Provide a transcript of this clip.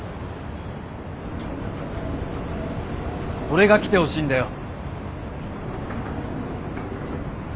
俺が来てほしいんだよ。